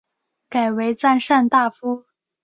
改为赞善大夫。